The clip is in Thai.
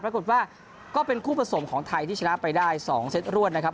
ปรากฏว่าก็เป็นคู่ผสมของไทยที่ชนะไปได้๒เซตรวดนะครับ